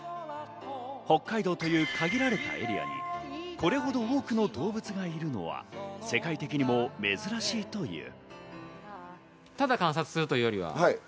北海道という限られたエリアにこれほど多くの動物がいるのは世界的にも珍しいという。